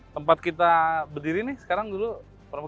tempat kita berdiri ini sekarang dulu permukiman